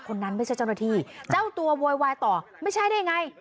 คนนั้นไม่ใช่เจ้าหน้าที่เจ้าตัวโวยวายต่อไม่ใช่ได้ยังไง